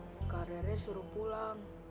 kak rere suruh pulang